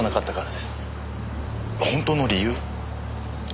本当の理由？